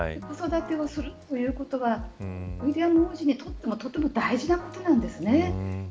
子育てをするということがウィリアム王子にとってもとても大事なことなんです。